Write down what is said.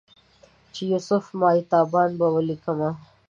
چې یوسف ماه تابان په ولیکمه